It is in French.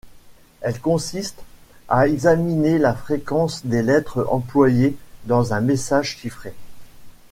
Elle consiste à examiner la fréquence des lettres employées dans un message chiffré.